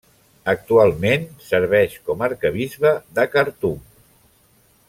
Actualment serveix com a Arquebisbe de Khartum.